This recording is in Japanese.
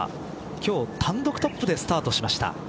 今日単独トップでスタートしました。